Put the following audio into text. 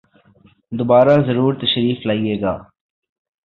دوبارہ ضرور تشریف لائیئے گا